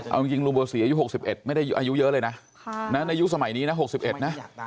เอาจริงลุงบัวศรีอายุ๖๑ไม่ได้อายุเยอะเลยนะในยุคสมัยนี้นะ๖๑นะ